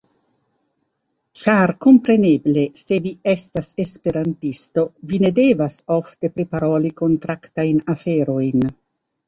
Ĉar kompreneble, se vi estas Esperantisto, vi ne devas ofte priparoli kontraktajn aferojn.